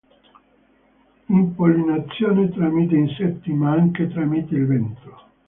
Impollinazione tramite insetti, ma anche tramite il vento.